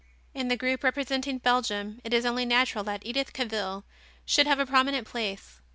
In the group representing Belgium it is only natural that Edith Cavil should have a prominent place.